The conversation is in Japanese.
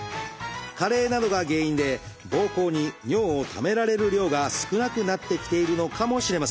加齢などが原因でぼうこうに尿をためられる量が少なくなってきているのかもしれません。